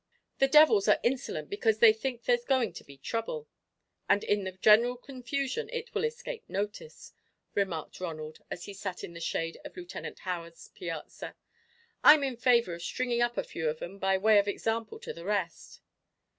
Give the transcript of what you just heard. "The devils are insolent because they think there's going to be trouble, and in the general confusion it will escape notice," remarked Ronald, as he sat in the shade of Lieutenant Howard's piazza. "I'm in favour of stringing up a few of 'em by way of example to the rest."